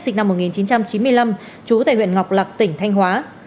sinh năm một nghìn chín trăm chín mươi năm trú tại huyện ngọc lạc tỉnh thanh hóa